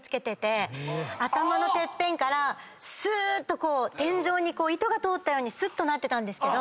頭のてっぺんからすーっと天井に糸が通ったようにすっとなってたんですけど。